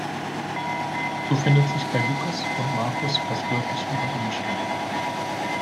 So findet sich bei Lukas und Markus fast wörtliche Übereinstimmung.